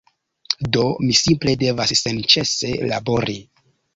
Do mi simple devas senĉese labori.